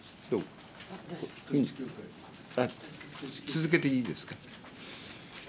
続けていいですか。